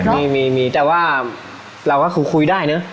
เราคือคุยได้นะ